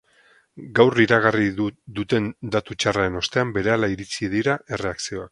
Gaur iragarri duten datu txarraren ostean, berehala iritsi dira erreakzioak.